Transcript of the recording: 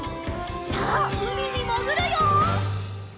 さあうみにもぐるよ！